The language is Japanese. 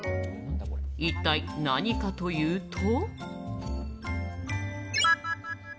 一体何かというと。